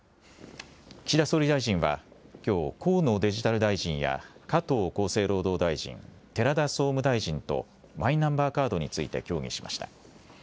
岸田総理大臣は、きょう、河野デジタル大臣や加藤厚生労働大臣、寺田総務大臣と、マイナンバーカードについて協議しました。